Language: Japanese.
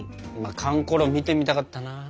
かんころ見てみたかったな。